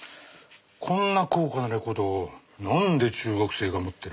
こんな高価なレコードなんで中学生が持ってる？